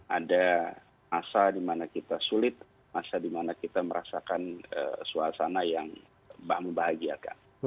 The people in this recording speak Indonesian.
ada masa dimana kita sulit masa di mana kita merasakan suasana yang membahagiakan